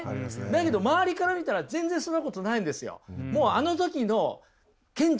だけど周りから見たら全然そんなことないんですよ！